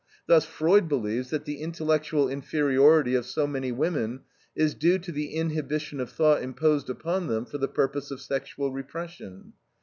Thus Freud believes that the intellectual inferiority of so many women is due to the inhibition of thought imposed upon them for the purpose of sexual repression.